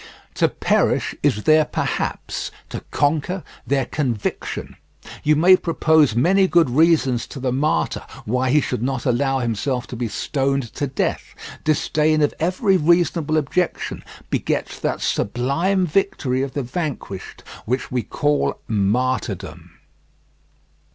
To perish is their perhaps, to conquer their conviction. You may propose many good reasons to the martyr why he should not allow himself to be stoned to death. Disdain of every reasonable objection begets that sublime victory of the vanquished which we call martyrdom.